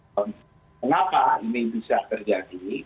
mengapa ini bisa terjadi